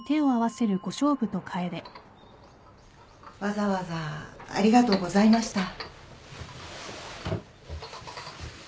わざわざありがとうございました。